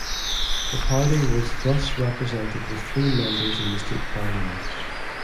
The party was thus represented with three members in the state parliament.